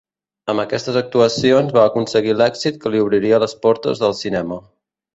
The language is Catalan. Amb aquestes actuacions va aconseguir l'èxit que li obriria les portes del cinema.